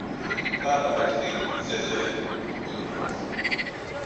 Dabei treten sehr selten Blutungen auf.